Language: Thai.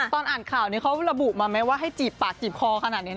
ตอนอ่านข่าวนี้เขาระบุมาไหมว่าให้จีบปากจีบคอขนาดนี้นะ